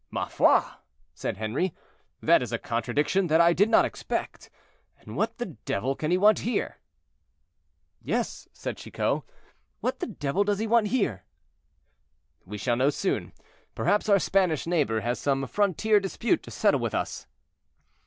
"Ma foi!" said Henri, "that is a contradiction that I did not expect. And what the devil can he want here?" "Yes," said Chicot, "what the devil does he want here?" "We shall soon know; perhaps our Spanish neighbor has some frontier dispute to settle with us."